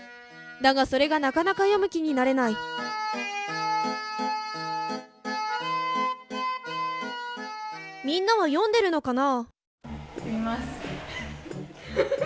だがそれがなかなか読む気になれないみんなは読んでるのかな？